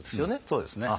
そうですね。